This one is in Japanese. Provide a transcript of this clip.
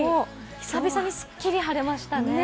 久々にすっきり晴れましたね。